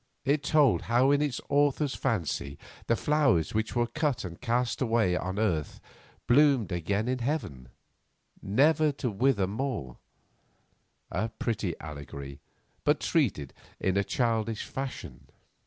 It told how in its author's fancy the flowers which were cut and cast away on earth bloomed again in heaven, never to wither more; a pretty allegory, but treated in a childish fashion.